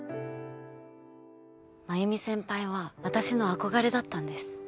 繭美先輩は私の憧れだったんです。